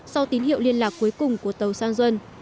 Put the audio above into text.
sau tín hiệu liên lạc cuối cùng của tàu sanjuan